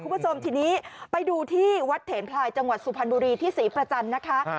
คุณผู้ชมทีนี้ไปดูที่วัดเถนพลายจังหวัดสุพรรณบุรีที่ศรีประจันทร์นะคะ